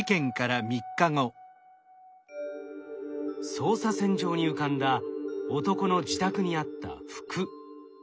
捜査線上に浮かんだ男の自宅にあった服。